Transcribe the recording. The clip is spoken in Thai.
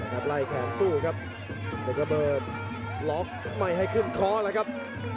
ไล่แขนสู้ครับเป็นระเบิดล็อกไม่ให้ขึ้นคอแล้วครับ